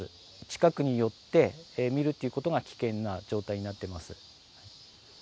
近くに寄って見るっていうことが危険な状態になってます。